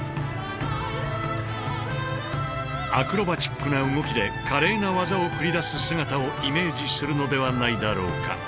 アクロバチックな動きで華麗な技を繰り出す姿をイメージするのではないだろうか？